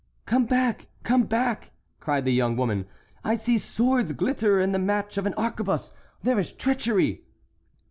"Come back! come back!" cried the young woman. "I see swords glitter, and the match of an arquebuse—there is treachery!"